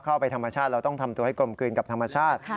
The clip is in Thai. ธรรมชาติเราต้องทำตัวให้กลมกลืนกับธรรมชาติ